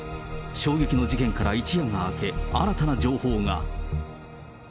衝撃の事件から一夜が明け、新たな情報が。